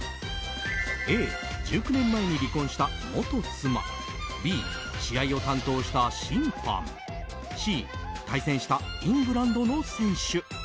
Ａ、１９年前に離婚した元妻Ｂ、試合を担当した審判Ｃ、対戦したイングランドの選手。